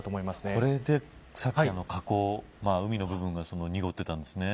これで河口海の部分が濁っていたんですね。